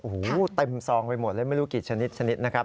โอ้โหเต็มซองไปหมดเลยไม่รู้กี่ชนิดชนิดนะครับ